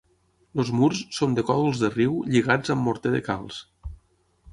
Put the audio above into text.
Els murs són de còdols de riu lligats amb morter de calç.